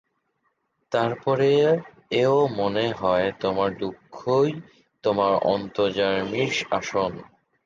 তার পরে এও মনে হয়, তোমার দুঃখই তোমার অন্তর্যামীর আসন।